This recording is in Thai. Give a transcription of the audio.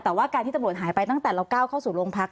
แต่ว่าการที่ตำรวจหายไปตั้งแต่เราก้าวเข้าสู่โรงพัก